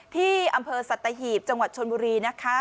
ที่อำเภอสัตหีบจังหวัดชนบุรีนะคะ